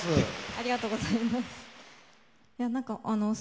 ありがとうございます。